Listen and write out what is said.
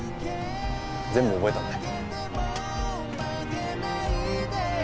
全部覚えたので。